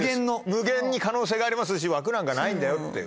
無限に可能性がありますし枠なんかないんだよっていう。